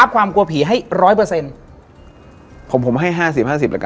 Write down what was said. กำลังมา